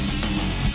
terima kasih chandra